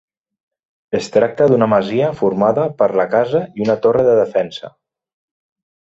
Es tracta d'una masia formada per la casa i una torre de defensa.